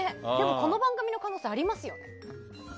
この番組の可能性ありますよ。